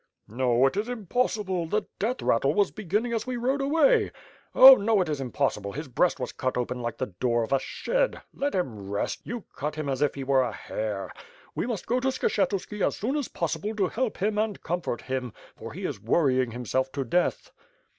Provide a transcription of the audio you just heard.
"No, it is impossible, the death rattle was beginning as we rode away. Oh, no, it is impossible, his breast was cut open like the door of a shed, let him rest, you cut him as if he were a hare. We must go to Skshetuski as soon as possible to help him and comfort him, for he is worrying himself to death."